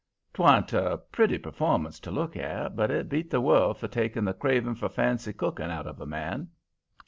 'Twan't a pretty performance to look at, but it beat the world for taking the craving for fancy cooking out of a man.